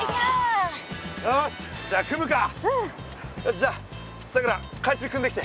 じゃあさくら海水くんできて。